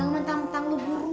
jangan mentang mentang lu burung